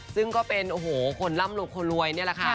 ซึ่งก็เป็นโอ้โหคนร่ำลูกคนรวยนี่แหละค่ะ